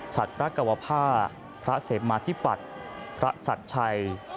ฉัดพระกวภาพพระเสมมาธิปัทพระฉัดชัย